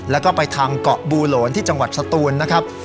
แล้วก็ไปทางเกาะบูโหลนที่จังหวัดสตูนนะครับ